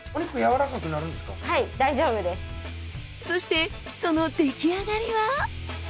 そしてその出来上がりは？